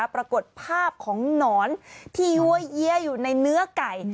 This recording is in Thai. ปรากฏภาพของหนอนที่ยั้วเยี้ยอยู่ในเนื้อไก่